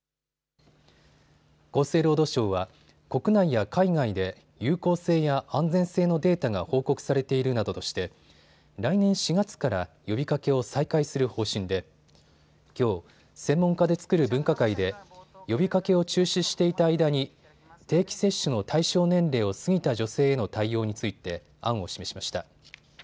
厚生労働省は国内や海外で有効性や安全性のデータが報告されているなどとして来年４月から呼びかけを再開する方針できょう専門家で作る分科会で呼びかけを中止していた間に定期接種の対象年齢を過ぎた女性への対応について案を示しました。